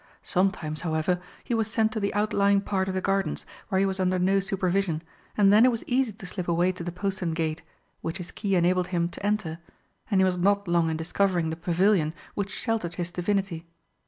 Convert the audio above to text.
Sometimes, however, he was sent to the outlying part of the gardens, where he was under no supervision, and then it was easy to slip away to the postern gate, which his key enabled him to enter, and he was not long in discovering the pavilion which sheltered his divinity.